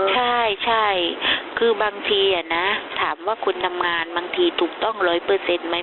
ใช่ใช่คือบางทีอะนะถามว่าคุณทำงานบางทีถูกต้องร้อยเปอร์เซ็นต์ไหม